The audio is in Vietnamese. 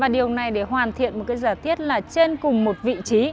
điều này để hoàn thiện một giả tiết là trên cùng một vị trí